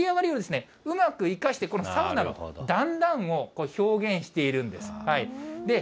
その盛り上がりをうまく生かして、このサウナの段々をこれ、表現しているんです。